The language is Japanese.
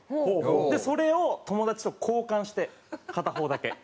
でそれを友達と交換して片方だけ。